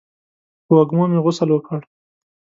په وږمو مې غسل وکړ